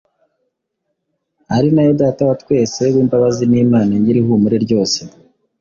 ari na yo Data wa twese w’imbabazi n’Imana nyir’ihumure ryose,